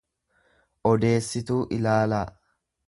odeessituu ilaalaa.